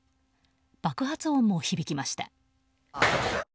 爆発音も響きました。